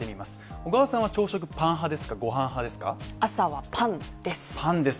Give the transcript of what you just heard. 小川さんは朝食パン派ですかご飯派ですか、朝はパンです。